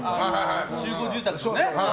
集合住宅でね。